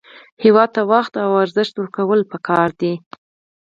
هېواد ته وخت ته ارزښت ورکول پکار دي